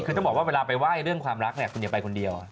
คือต้องบอกว่าเวลาไปไหว้เรื่องความรักเนี่ยคุณอย่าไปคนเดียว